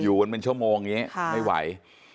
อยู่เป็นชั่วโมงนี้ไม่ไหว